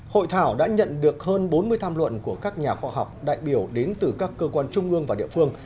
hội thảo đã nhận được hơn bốn mươi tham luận của các nhà khoa học đại biểu đến từ các cơ quan trung ương và địa phương